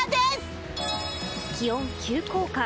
気温急降下。